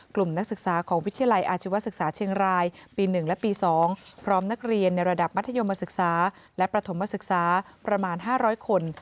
นักศึกษาของวิทยาลัยอาชีวศึกษาเชียงรายปี๑และปี๒พร้อมนักเรียนในระดับมัธยมศึกษาและประถมศึกษาประมาณ๕๐๐คน